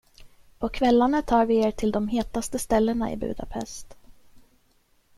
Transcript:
På kvällarna tar vi er till de hetaste ställena i Budapest.